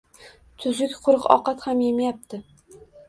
Tuzuk-quruq ovqat ham emayapti